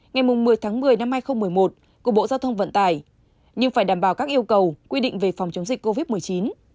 ngày một mươi tháng một mươi năm hai nghìn một mươi một của bộ giao thông vận tải nhưng phải đảm bảo các yêu cầu quy định về phòng chống dịch covid một mươi chín